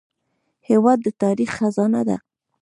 هېواد د تاریخ خزانه ده.